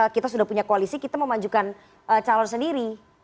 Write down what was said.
kita sudah punya koalisi kita mau majukan calon sendiri